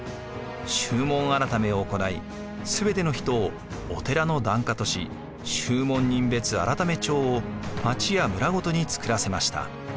宗門改めを行い全ての人をお寺の檀家とし宗門人別改帳を町や村ごとに作らせました。